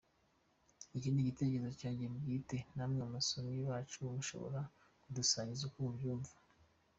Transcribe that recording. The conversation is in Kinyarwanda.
Iki ni igitekerezo cyanjye bwite, namwe basomyi bacu mushobora kudusangiza uko mubyumva.